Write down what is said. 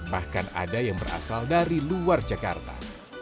bahkan ada yang berasal dari luar jakarta